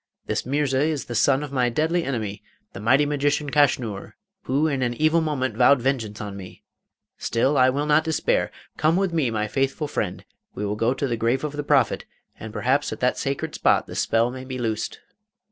This Mirza is the son of my deadly enemy, the mighty magician Kaschnur, who in an evil moment vowed vengeance on me. Still I will not despair! Come with me, my faithful friend; we will go to the grave of the Prophet, and perhaps at that sacred spot the spell may be loosed.